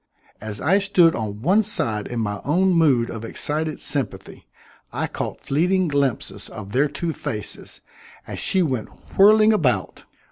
As I stood on one side in my own mood of excited sympathy, I caught fleeting glimpses of their two faces, as she went whirling about.